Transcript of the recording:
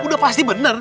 udah pasti bener